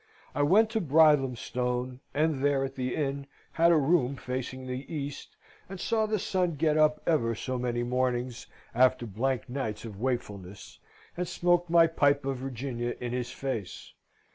I went to Brighthelmstone, and there, at the inn, had a room facing the east, and saw the sun get up ever so many mornings, after blank nights of wakefulness, and smoked my pipe of Virginia in his face.